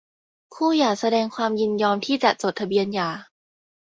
คู่หย่าแสดงความยินยอมที่จะจดทะเบียนหย่า